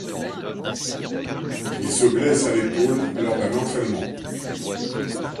Il se blesse à l'épaule lors d'un entraînement.